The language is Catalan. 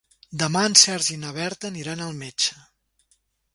Demà en Sergi i na Berta aniran al metge.